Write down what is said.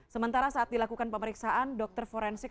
sementara saat dilakukan pemeriksaan dokter forensik